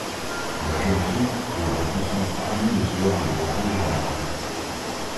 De la jeune fille, l'odeur puissante, humide et suave des roses rouges émana.